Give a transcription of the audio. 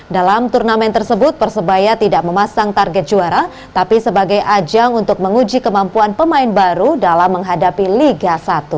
dalam turnamen tersebut persebaya tidak memasang target juara tapi sebagai ajang untuk menguji kemampuan pemain baru dalam menghadapi liga satu